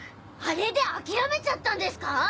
あれで諦めちゃったんですか？